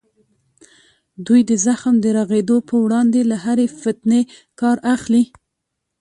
دوی د زخم د رغېدو په وړاندې له هرې فتنې کار اخلي.